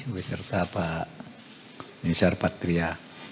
beserta pak nizar patria